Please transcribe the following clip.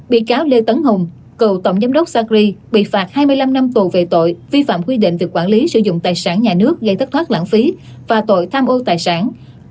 bị cáo lê tấn hùng cựu tổng giám đốc sacri bị phạt hai mươi năm năm tù về tội vi phạm quy định về quản lý sử dụng tài sản nhà nước gây thất thoát lãng phí và tội tham ô tài sản